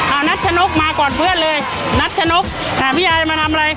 เอานัชนกมาก่อนเพื่อนเลยนัชนกค่ะพี่ยายมาทำอะไร